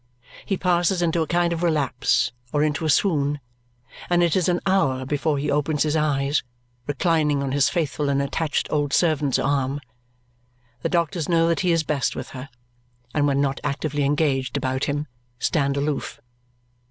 He passes into a kind of relapse or into a swoon, and it is an hour before he opens his eyes, reclining on his faithful and attached old servant's arm. The doctors know that he is best with her, and when not actively engaged about him, stand aloof.